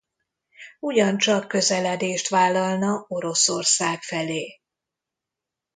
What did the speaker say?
Ugyancsak közeledést vállalna Oroszország felé.